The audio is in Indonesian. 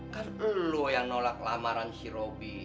kan lo yang nolak lamaran si robi